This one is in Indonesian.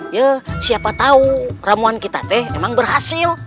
ya siapa tahu ramuan kita teh emang berhasil